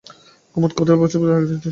কুমুদ কৌতূহল বোধ করিতেছিল।